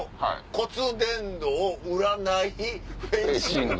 骨伝導占いフェンシング。